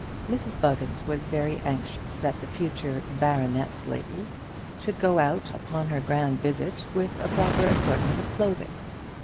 Mrs Buggins was very anxious that the future "baronet's lady" should go out upon her grand visit with a proper assortment of clothing.